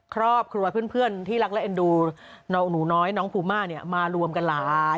ครอบครัวเพื่อนที่รักและเอ็นดูหนูน้อยน้องภูมาเนี่ยมารวมกันหลาย